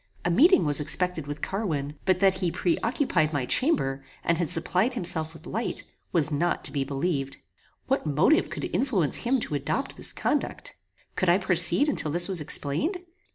A meeting was expected with Carwin, but that he pre occupied my chamber, and had supplied himself with light, was not to be believed. What motive could influence him to adopt this conduct? Could I proceed until this was explained?